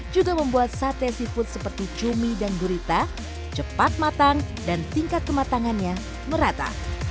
juga membuat sate seafood seperti cumi dan gurita cepat matang dan tingkat kematangannya merata